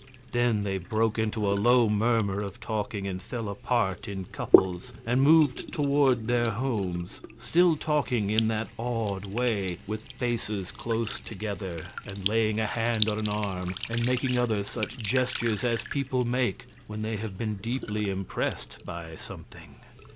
Then they broke into a low murmur of talking, and fell apart in couples, and moved toward their homes, still talking in that awed way, with faces close together and laying a hand on an arm and making other such gestures as people make when they have been deeply impressed by something.